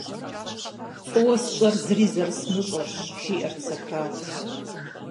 «ФӀыуэ сщӀэр – зыри зэрызмыщӀэрщ!» - жиӀэрт Сократ.